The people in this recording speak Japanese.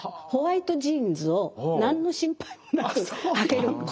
ホワイトジーンズを何の心配もなくはける。